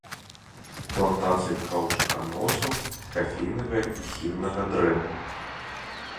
Плантацыі каўчуканосаў, кафейнага і хіннага дрэў.